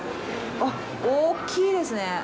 あっ、大きいですね。